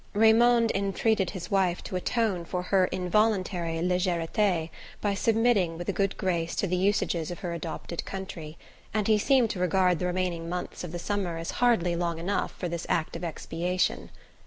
Raymond entreated his wife to atone for her involuntary legereté by submitting with a good grace to the usages of her adopted country; and he seemed to regard the remaining months of the summer as hardly long enough for this act of expiation.